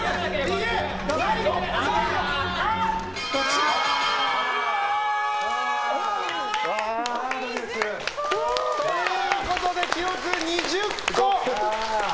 終了！ということで、記録２０個。